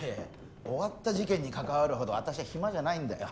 終わった事件に関わるほど私は暇じゃないんだよ